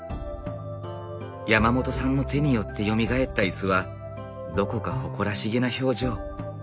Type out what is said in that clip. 山本さんの手によってよみがえった椅子はどこか誇らしげな表情。